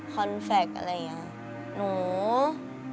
คอนแฟคอะไรอย่างนี้